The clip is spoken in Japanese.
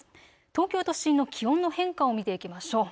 東京都心の気温の変化を見ていきましょう。